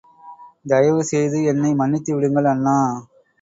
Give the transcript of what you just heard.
தயவு செய்து என்னை மன்னித்து விடுங்கள் அண்ணா!